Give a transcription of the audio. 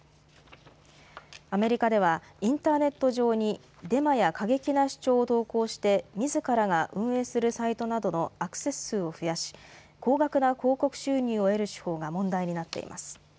アメリカではインターネット上にデマや過激な主張を投稿してみずからが運営するサイトなどのアクセス数を増やし高額な広告収入を得る手法が問題になっています。